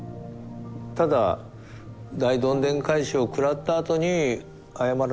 ただ大どんでん返しを食らったあとに謝られちゃって。